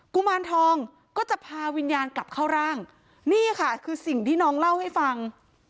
กุมารทองก็จะพาวิญญาณกลับเข้าร่างนี่ค่ะคือสิ่งที่น้องเล่าให้ฟัง